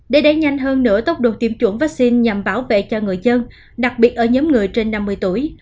để đẩy nhanh hơn nữa tốc độ tiêm chủng vaccine nhằm bảo vệ cho người dân đặc biệt ở nhóm người trên năm mươi tuổi